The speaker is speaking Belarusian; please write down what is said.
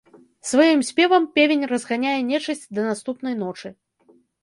Сваім спевам певень разганяе нечысць да наступнай ночы.